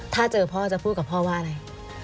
ถ้าเจอพ่อจะพูดกับพ่อว่าอะไร